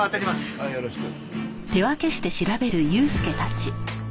はいよろしく。